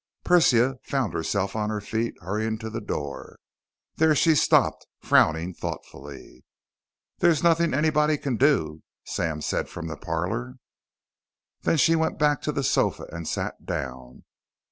Persia found herself on her feet, hurrying to the door. There she stopped, frowning thoughtfully. "There's nothing anybody can do," Sam said from the parlor. Then she went back to the sofa and sat down.